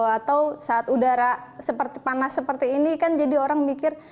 atau saat udara panas seperti ini kan jadi orang mikir